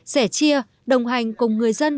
sẻ chia đồng hành cùng người dân